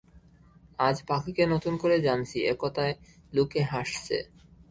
আজ পাখিকে নতুন করে জানছি এ কথায় লোকে হাসছে।